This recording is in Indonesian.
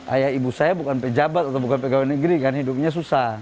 ayah ibu saya bukan pejabat atau bukan pegawai negeri kan hidupnya susah